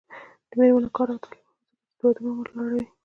د میرمنو کار او تعلیم مهم دی ځکه چې ودونو عمر لوړوي.